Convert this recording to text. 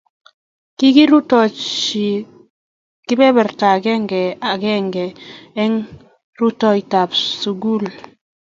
kikirutochi kebeberwek agenge agenge eng' rutoitab sukul.